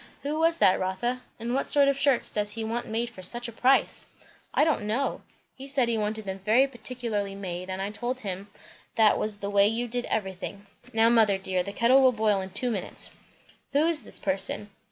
Who was that, Rotha? and what sort of shirts does he want made for such a price?" "I don't know! he said he wanted them very particularly made, and I told him that was the way you did everything. Now mother dear, the kettle will boil in two minutes." "Who is this person?"